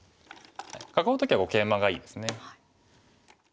囲う時はケイマがいいですね。